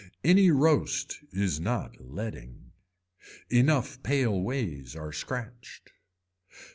Any roast is not leading. Enough pale ways are scratched.